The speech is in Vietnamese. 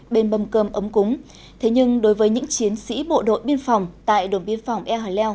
bên mâm cơm ấm cúng thế nhưng đối với những chiến sĩ bộ đội biên phòng tại đồn biên phòng e hà leo